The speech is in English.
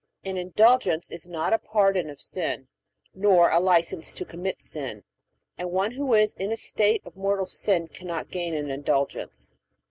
An Indulgence is not a pardon of sin, nor a license to commit sin, and one who is in a state of mortal sin cannot gain an Indulgence.